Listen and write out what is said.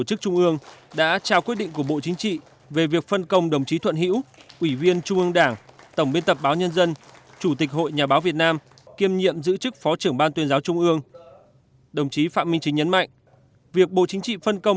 trao quyết định của bộ chính trị về việc phân công kiêm nhiệm giữ chức vụ phó trưởng ban tuyên giáo trung ương